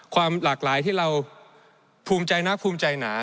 ความหลากหลายที่เราภูมิใจนะภูมิใจหนา